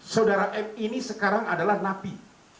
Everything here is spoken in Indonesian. saudara m ini sekarang adalah napi